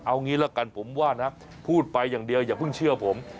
เอางี้ละกันผมว่านะพูดไปอย่างเดียวอย่าเพิ่งเชื่อผม